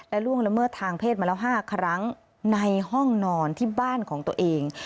และล่วงละเมิดทางเพศมาแล้ว๕ครั้งในห้องนอนที่บ้านของตัวเอง